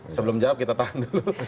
sebelum jawab kita tahan dulu